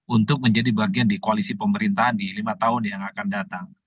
untuk menjadi bagian di koalisi pemerintahan di lima tahun yang akan datang